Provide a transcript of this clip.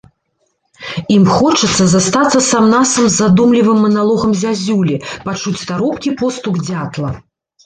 Ім хочацца застацца сам-насам з задумлівым маналогам зязюлі, пачуць таропкі постук дзятла.